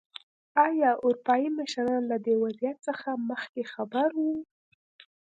ایا اروپايي مشران له دې وضعیت څخه مخکې خبر وو.